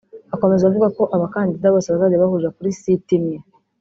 Akomeza avuga ko abakandida bose bazajya bahurira kuri site imwe